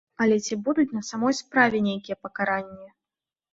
Але ці будуць на самой справе нейкія пакаранні?